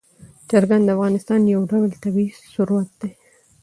چرګان د افغانستان یو ډول طبعي ثروت دی.